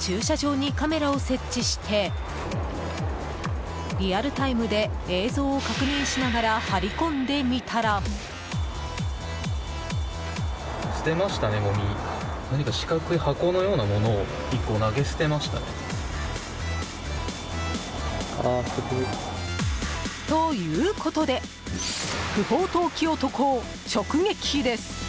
駐車場にカメラを設置してリアルタイムで映像を確認しながら張り込んでみたら。ということで不法投棄男を直撃です！